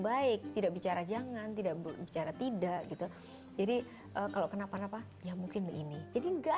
baik tidak bicara jangan tidak bicara tidak gitu jadi kalau kenapa napa ya mungkin begini jadi enggak